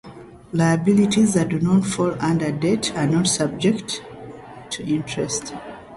Liabilities that do not fall under debt are not subject to interest.